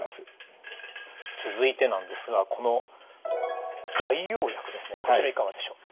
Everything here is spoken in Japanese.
続いてなんですがこの外用薬ですねこちらいかがでしょう？